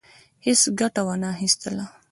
هیڅ ګټه وانه خیستله.